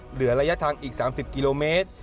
เหลือระยะทางอีก๓๐กิโลเมตร